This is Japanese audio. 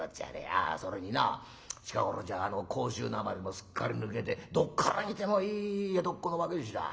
ああそれにな近頃じゃあの甲州訛りもすっかり抜けてどっから見てもいい江戸っ子の若え衆だ。